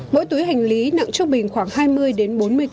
mỗi túi hành lý nặng trung bình khoảng hai mươi đến bốn mươi kg